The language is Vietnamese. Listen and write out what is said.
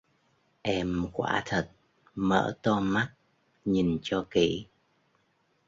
em quả thật mở to mắt nhìn cho kĩ